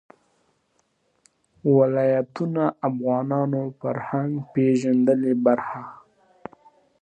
ولایتونه د افغانانو د فرهنګي پیژندنې برخه ده.